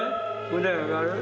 腕上がる。